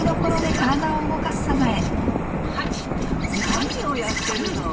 何をやってるの？